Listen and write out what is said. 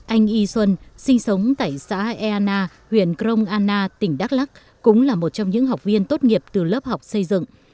anh y xuân sinh sống tại xã eana huyện crong anna tỉnh đắk lắc cũng là một trong những học viên tốt nghiệp từ lớp học xây dựng